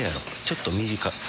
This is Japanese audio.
ちょっと短い。